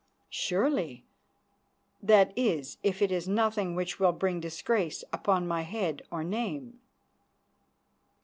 "Surely, that is if it is nothing which will bring disgrace upon my head or name."